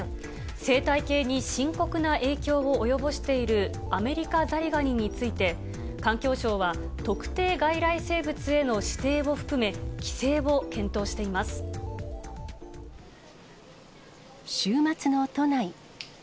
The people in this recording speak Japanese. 生態系に深刻な影響を及ぼしているアメリカザリガニについて、環境省は、特定外来生物への指定を含め、週末の都内。